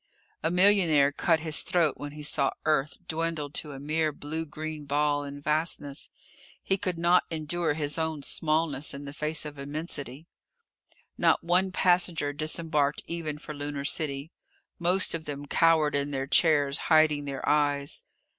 A millionaire cut his throat when he saw Earth dwindled to a mere blue green ball in vastness. He could not endure his own smallness in the face of immensity. Not one passenger disembarked even for Lunar City. Most of them cowered in their chairs, hiding their eyes.